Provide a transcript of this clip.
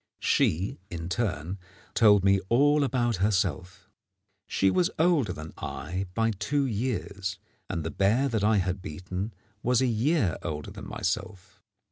She in turn told me all about herself. She was older than I by two years, and the bear that I had beaten was a year older than myself.